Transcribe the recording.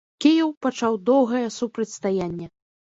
Кіеў пачаў доўгае супрацьстаянне.